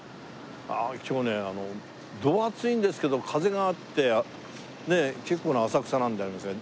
今日ねド暑いんですけど風があって結構な浅草なんでありますが。